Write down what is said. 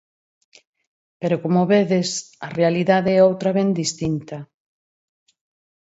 Pero como vedes, a realidade é outra ben distinta.